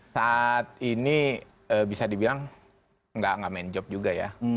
saat ini bisa dibilang nggak main job juga ya